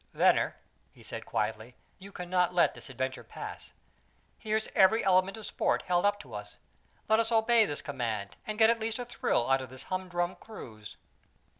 "Venner," he said quietly, "you cannot let this adventure pass. Here's every element of sport held up to us. Let us obey this command, and get at least a thrill out of this humdrum cruise."